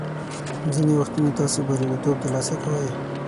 ځینې وختونه تاسو بریالیتوب ترلاسه کوئ.